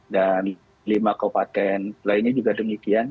dan lima kawupaten lainnya juga demikian